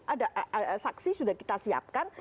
ada saksi sudah kita siapkan